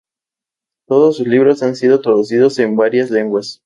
Todos sus libros han sido traducidos en varias lenguas.